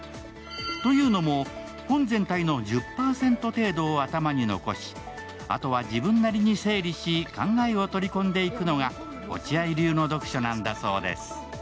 というのも、本全体の１０％程度を頭に残し、あとは自分なりに整理し考えを取り込んでいくのが落合流の読書なんだそうです。